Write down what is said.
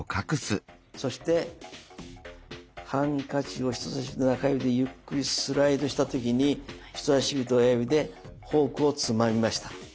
そしてハンカチを人さし指と中指でゆっくりスライドした時に人さし指と親指でフォークをつまみました。